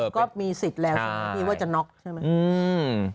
ก็มีสิทธิ์แล้วใช่มั้ยพ่องอันนี้ว่าจะน็อกใช่ไหม